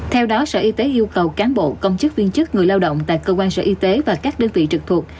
theo đó sở y tế yêu cầu cán bộ công chức viên chức người lao động tại cơ quan sở y tế và các đơn vị trực thuộc